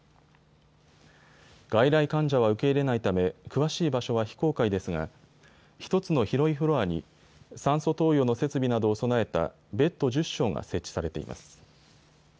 外来患者は受け入れないため詳しい場所は非公開ですが１つの広いフロアに酸素投与の設備などを備えたベッド１０床が設置されています。